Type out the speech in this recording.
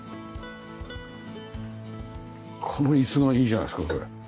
この椅子がいいじゃないですかこれ。